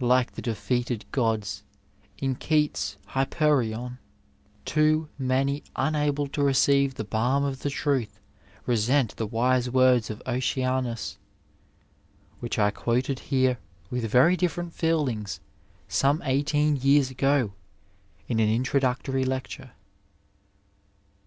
Like the defeated gods in Keats's " Hyperion," too many unable to receive the balm of the truth, resent the wise words of Oceanus (which I quoted here with very different feelings some eighteen years ago in an introductory lecture).